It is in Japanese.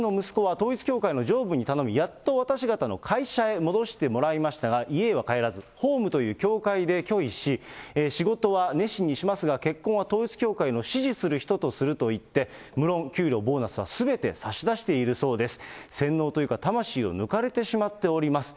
私の息子は統一教会の上部に頼み、やっと私方の会社へ戻してもらいましたが、家へは帰らず、ホームという教会できょいし、仕事は熱心にしますが、結婚は統一教会の指示する人とすると言って、むろん、給料、ボーナスはすべて差し出しているそうです。